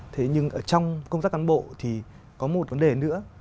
thế nhưng ở trong công tác cán bộ thì có một vấn đề nữa